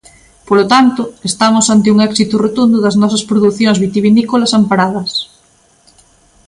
Polo tanto, estamos ante un éxito rotundo das nosas producións vitivinícolas amparadas.